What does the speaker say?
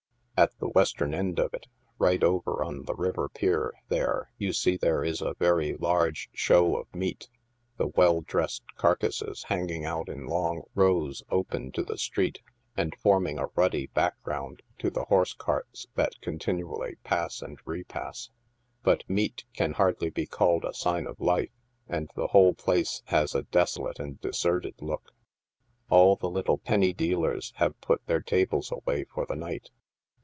At the western end of it, right over on the river pier, there, you see there is a very largo show of meat, the well dressed carcases hang ing out in long rows open to the street, and forming a ruddy back ground to the horse cars that continually pass and repass. But moat can hardly be called a sign of life, and the whole place has a de solate and deserted look. All the little penny dealers have put their tables away for the night.